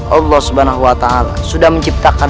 allah subhanahu wa ta'ala sudah menciptakan